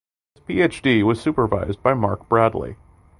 His PhD was supervised by Mark Bradley.